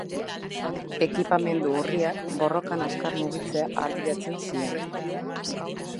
Ekipamendu urriak, borrokan azkar mugitzea ahalbidetzen zien.